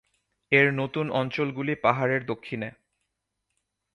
এর নতুন অঞ্চলগুলি পাহাড়ের দক্ষিণে।